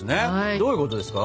どういうことですか？